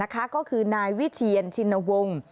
ก็คือนายวิเทียนชินวงศ์